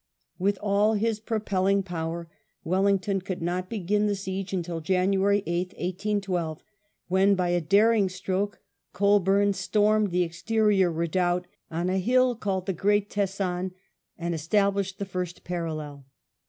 With all his propelling power, Wellington could not begin the siege until January 8th, 1812, when, by a daring stroke, Colbeme stormed the exterior redoubt on a hill called the Great Teson, and established the first parallel.